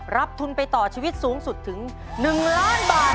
รับทุนไปต่อชีวิตสูงสุดถึง๑ล้านบาท